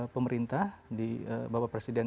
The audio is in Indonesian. pemerintah bapak presiden